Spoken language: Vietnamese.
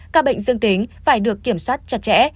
các bệnh dương tính phải được kiểm soát chặt chẽ